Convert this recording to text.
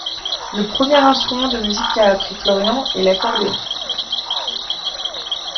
Le premier instrument de musique qu'a appris Florian est l'accordéon.